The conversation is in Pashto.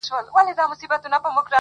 o غوږ سه راته.